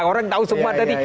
orang tau semua tadi